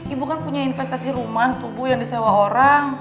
ibu kan punya investasi rumah tubuh yang disewa orang